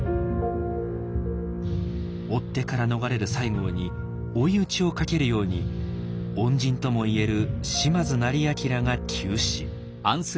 追っ手から逃れる西郷に追い打ちをかけるように恩人とも言える島津斉彬が急死。